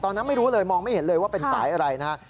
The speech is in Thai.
ไม่รู้เลยมองไม่เห็นเลยว่าเป็นสายอะไรนะฮะ